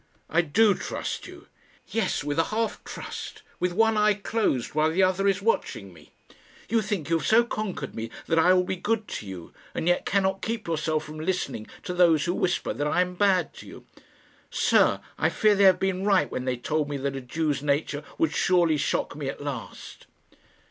"I do trust you." "Yes with a half trust with one eye closed, while the other is watching me. You think you have so conquered me that I will be good to you, and yet cannot keep yourself from listening to those who whisper that I am bad to you. Sir, I fear they have been right when they told me that a Jew's nature would surely shock me at last."